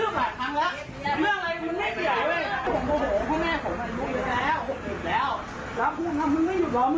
ถ้าคุณอยากมีปัญหาคุณต้องคุยกับผม